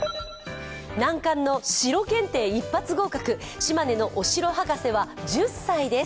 難関の城検定一発合格、島根のお城博士は１０歳です。